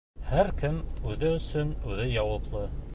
Һәр кем үҙе өсөн үҙе яуаплы.